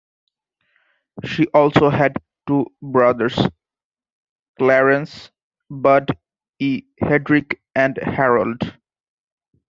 She also had two brothers, Clarence "Bud" E. Hedrick, and Harold.